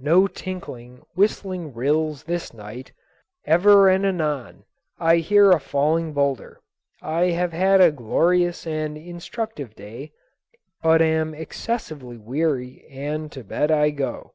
No tinkling, whistling rills this night. Ever and anon I hear a falling boulder. I have had a glorious and instructive day, but am excessively weary and to bed I go.